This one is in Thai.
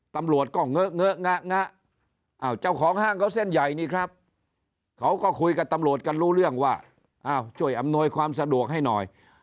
ตำรวจก็เงอะเงอะงะงะเจ้าของห้างเขาเส้นใหญ่นี่ครับเขาก็คุยกับตำรวจกันรู้เรื่องว่าอ้าวช่วยอำนวยความสะดวกให้หน่อย